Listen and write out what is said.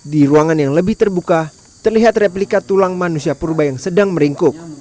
di ruangan yang lebih terbuka terlihat replika tulang manusia purba yang sedang meringkuk